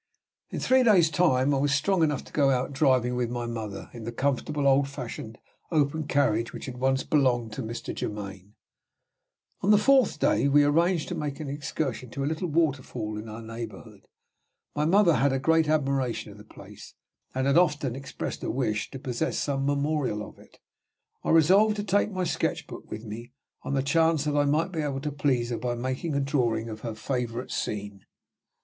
In three days' time I was strong enough to go out driving with my mother, in the comfortable, old fashioned, open carriage which had once belonged to Mr. Germaine. On the fourth day we arranged to make an excursion to a little waterfall in our neighborhood. My mother had a great admiration of the place, and had often expressed a wish to possess some memorial of it. I resolved to take my sketch book: with me, on the chance that I might be able to please her by making a drawing of her favorite scene.